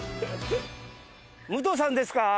武藤さんですか？